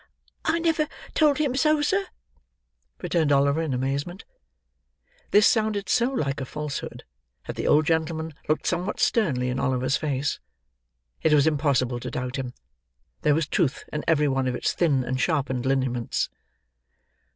"I never told him so, sir," returned Oliver in amazement. This sounded so like a falsehood, that the old gentleman looked somewhat sternly in Oliver's face. It was impossible to doubt him; there was truth in every one of its thin and sharpened lineaments.